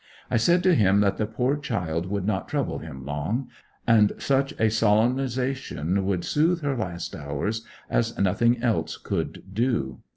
I said to him that the poor child would not trouble him long; and such a solemnization would soothe her last hours as nothing else could do.